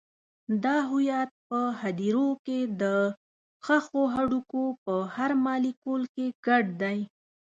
دا هویت په هدیرو کې د ښخو هډوکو په هر مالیکول کې ګډ دی.